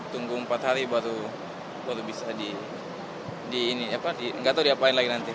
tunggu empat hari baru bisa di gak tau diapain lagi nanti